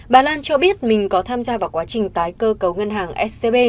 bà lan cho biết mình có tham gia vào quá trình tái cơ cấu ngân hàng scb